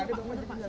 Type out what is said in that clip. pak pak pak pak